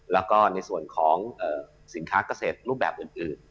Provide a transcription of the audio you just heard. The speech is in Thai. แล้วก็ในส่วนของสินค้าเกษตรรูปแบบอื่น